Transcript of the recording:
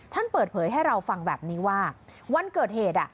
ท่านเปิดเผยให้เราฟังแบบนี้ว่าวันเกิดเหตุ